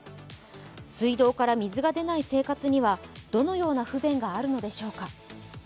水道から水が出ない生活にはどのような不便があるのでしょうか。